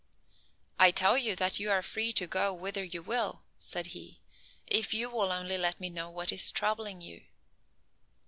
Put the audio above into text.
"I tell you that you are free to go whither you will," said He, "if you will only let me know what is troubling you."